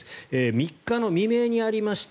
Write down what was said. ３日の未明にありました。